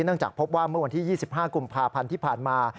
จากพบว่าเมื่อวันที่๒๕กุมภาพันธ์ที่ผ่านมา